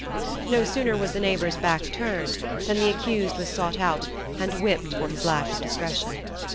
No sooner was the neighbor's back turned, than the accused was sought out, and whipped for his lack of discretion.